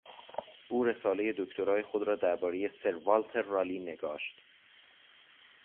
او رسالهی دکترای خود را دربارهی سروالتر رالی نگاشت.